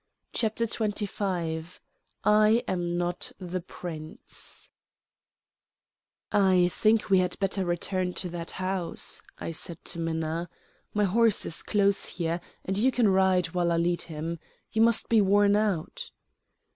CHAPTER XXV "I AM NOT THE PRINCE" "I think we had better return to that house," I said to Minna. "My horse is close here, and you can ride while I lead him. You must be worn out."